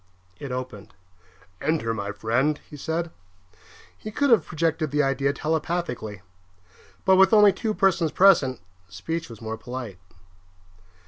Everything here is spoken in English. It opened. "Enter, my friend," he said. He could have projected the idea telepathically; but with only two persons present, speech was more polite.